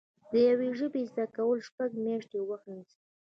د یوې ژبې زده کول شپږ میاشتې وخت نیسي